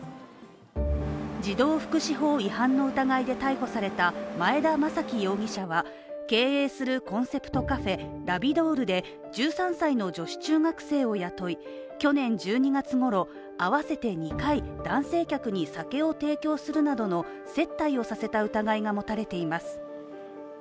児童福祉法違反の疑いで逮捕された前田昌毅容疑者は経営するコンセプトカフェ・らびどーるで１３歳の女子中学生を雇い去年１２月ごろ、合わせて２回、男性客に酒を提供するなどの接待をさせた疑いが持たれています。